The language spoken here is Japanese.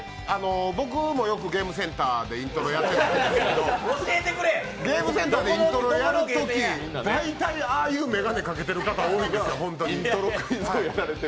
僕もよくゲームセンターでイントロやるんですけど、ゲームセンターでイントロやるとき、大体ああいう眼鏡をかけている方が多いんですよ、本当に。